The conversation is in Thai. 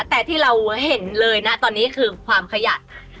แต่ที่เราเห็นเลยนะตอนนี้คือความขยัน